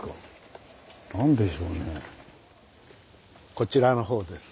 こちらのほうです。